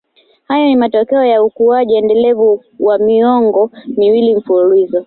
Hayo ni matokeo ya ukuaji endelevu wa miongo miwili mfululizo